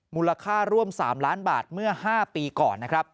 มูลค่าร่วม๓ล้านบาทเมื่อ๕ปีก่อนนะครับ